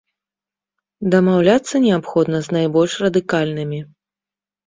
Дамаўляцца неабходна з найбольш радыкальнымі.